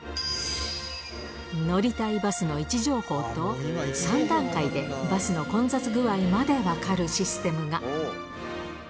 乗りたいバスの位置情報と、３段階でバスの混雑具合まで分かるシステムが。